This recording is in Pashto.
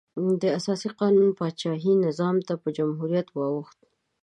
د اساسي قانون کې پاچاهي نظام په جمهوري واوښت.